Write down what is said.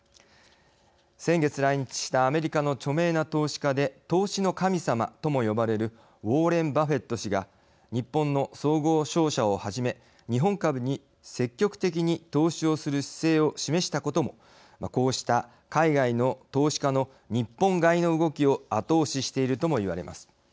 先月、来日したアメリカの著名な投資家で投資の神様とも呼ばれるウォーレン・バフェット氏が日本の総合商社をはじめ日本株に積極的に投資をする姿勢を示したこともこうした海外の投資家の日本買いの動きを後押しているとも言われます。